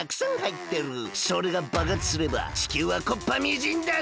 それがばくはつすれば地球はこっぱみじんだぜ！